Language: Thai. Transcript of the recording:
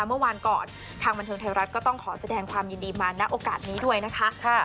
เมื่อวานก่อนทางบันเทิงไทยรัฐก็ต้องขอแสดงความยินดีมาณโอกาสนี้ด้วยนะคะ